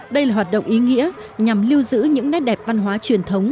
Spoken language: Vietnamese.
đây là hoạt động ý nghĩa nhằm lưu giữ những nét đẹp văn hóa truyền thống